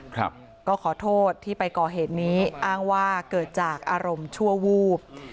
ครับก็ขอโทษที่ไปก่อเหตุนี้อ้างว่าเกิดจากอารมณ์ชั่ววูบ